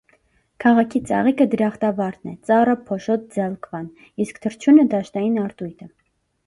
Քաղաքի ծաղիկը դրախտավարդն է, ծառը՝ փոշոտ ձելկվան, իսկ թռչունը՝ դաշտային արտույտը։